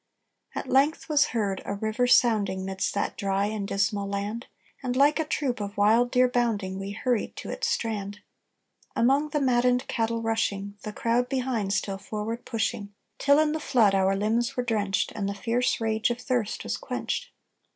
"At length was heard a river sounding 'Midst that dry and dismal land, And, like a troop of wild deer bounding, We hurried to its strand Among the maddened cattle rushing, The crowd behind still forward pushing, Till in the flood our limbs were drenched And the fierce rage of thirst was quenched.